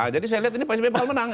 jadi saya lihat ini pak sby pahal menang